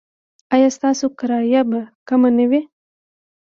ایا ستاسو کرایه به کمه نه وي؟